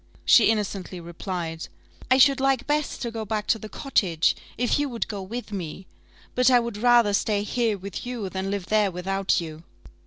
She innocently replied, "I should like best to go back to the cottage, if you would go with me but I would rather stay here with you than live there without you."